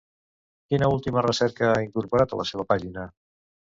Quina última recerca ha incorporat a la seva pàgina?